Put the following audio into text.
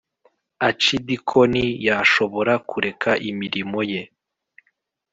Acidikoni yashobora kureka imirimo ye